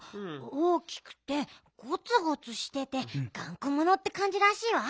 大きくてゴツゴツしててがんこものってかんじらしいわ。